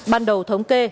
ban đầu thống kê